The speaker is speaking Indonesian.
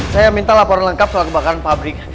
saya minta laporan lengkap soal kebakaran pabrik